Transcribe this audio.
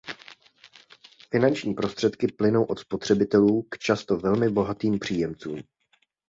Finanční prostředky plynou od spotřebitelů k často velmi bohatým příjemcům.